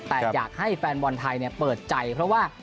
แต่อยากให้แฟนบอลไทยเปิดใจเพราะว่า